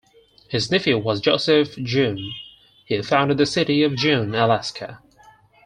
His nephew was Joseph Juneau, who founded the city of Juneau, Alaska.